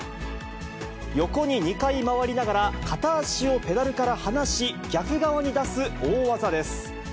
横に２回回りながら、片足をペダルから離し、逆側に出す大技です。